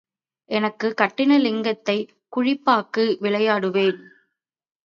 எனக்குக் கட்டின லிங்கத்தைக் குழிப்பாக்கு விளையாடுவேன்.